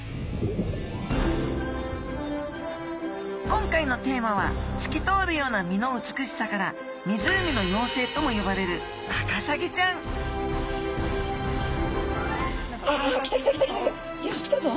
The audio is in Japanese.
今回のテーマは透き通るような身の美しさから湖の妖精とも呼ばれるワカサギちゃんよしきたぞ。